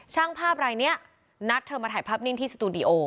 ช่างภาพรายนี้นัดเธอมาถ่ายภาพนิ่งที่สตูดิโอ